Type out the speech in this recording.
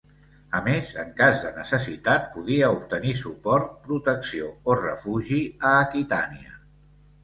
A més, en cas de necessitat, podia obtenir suport, protecció o refugi a Aquitània.